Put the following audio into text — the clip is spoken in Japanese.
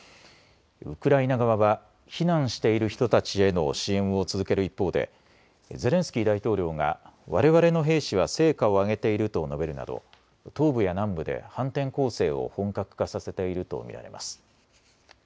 ウクライナ側は避難している人たちへの支援を続ける一方でゼレンスキー大統領がわれわれの兵士は成果を上げていると述べるなど東部や南部で反転攻勢を本格化させていると見られます。